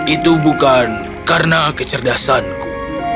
itu bukan karena kecerdasanku